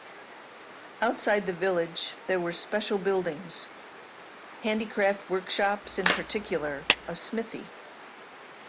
Outside the village there were special buildings - handicraft workshops, in particular, a smithy.